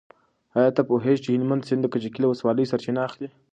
ایا ته پوهېږې چې د هلمند سیند د کجکي له ولسوالۍ سرچینه اخلي؟